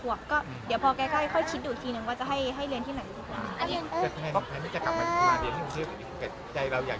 แล้วก็เดี่ยวพอค่อยแล้วคิดดูครูคีนึงว่าจะให้เรียนที่ไหนดูกัน